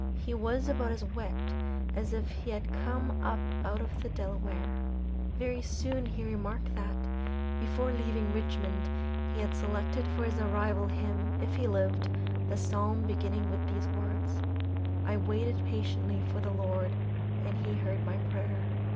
He was about as wet as if he had come up out of the Delaware. Very soon he remarked that, before leaving Richmond he had selected for his arrival hymn (if he lived) the Psalm beginning with these words: "I waited patiently for the Lord, and He heard my prayer."